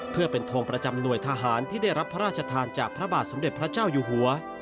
เพื่อเป็นทงประจำหน่วยทหารที่ได้รับพระราชทานจากพระบาทสมเด็จพระเจ้าอยู่หัว